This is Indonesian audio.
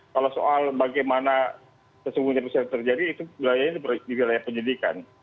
kalau soal bagaimana sesungguhnya bisa terjadi itu di wilayah penyidikan